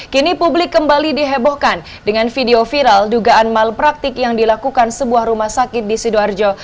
kini publik kembali dihebohkan dengan video viral dugaan malpraktik yang dilakukan sebuah rumah sakit di sidoarjo